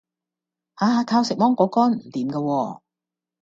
下下靠食芒果乾唔掂架喎